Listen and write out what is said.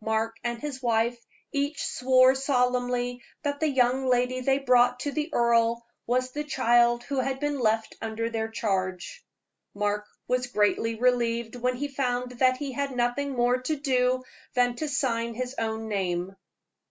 Mark and his wife each swore solemnly that the young lady they brought to the earl was the child who had been left under their charge. Mark was greatly relieved when he found that he had nothing more to do than to sign his own name.